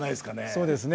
そうですね。